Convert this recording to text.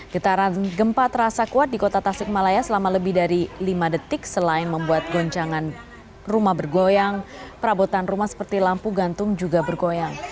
getaran gempa terasa kuat di kota tasikmalaya selama lebih dari lima detik selain membuat goncangan rumah bergoyang perabotan rumah seperti lampu gantung juga bergoyang